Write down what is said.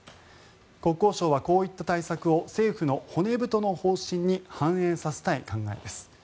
国交省はこういった対策を政府の骨太の方針に反映させたい考えです。